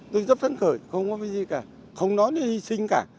tôi rất thân khởi không có gì cả không nói đến hy sinh cả